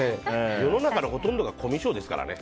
世の中のほとんどがコミュ障ですからね。